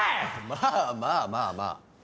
まあまあまあまあ